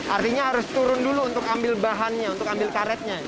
artinya harus turun dulu untuk ambil bahannya untuk ambil karetnya